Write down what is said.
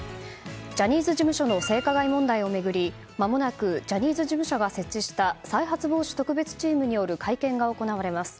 ジャニーズ事務所の性加害問題を巡りまもなくジャニーズ事務所が設置した再発防止特別チームによる会見が行われます。